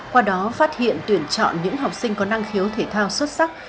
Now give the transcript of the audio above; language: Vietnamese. qua đó phát hiện tuyển chọn những học sinh có năng khiếu thể thao xuất sắc